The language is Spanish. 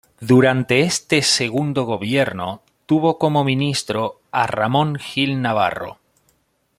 Durante este segundo gobierno tuvo como ministro a Ramón Gil Navarro.